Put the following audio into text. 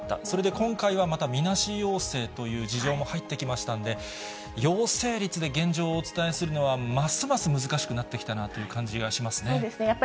そして今回はまたみなし陽性という事情も入ってきましたんで、陽性率で現状をお伝えするのは、ますます難しくなってきたなといそうですね。